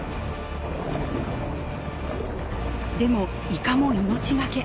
でもイカも命懸け。